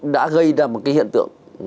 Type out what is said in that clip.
đã gây ra một cái hiện tượng